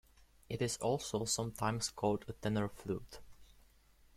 It is also sometimes called a tenor flute.